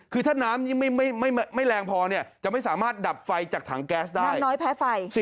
คือถ้าน้ำนี้ไม่แรงพอจะไม่สามารถดับไฟจากถังแก๊สได้